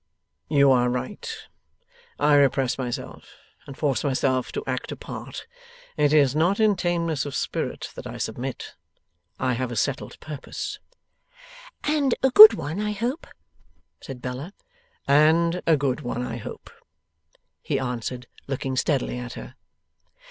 'You are right. I repress myself and force myself to act a part. It is not in tameness of spirit that I submit. I have a settled purpose.' 'And a good one, I hope,' said Bella. 'And a good one, I hope,' he answered, looking steadily at her.